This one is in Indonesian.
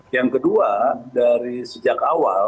yang kedua dari sejak awal